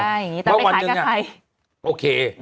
ว่าวันหนึ่งอะโอเค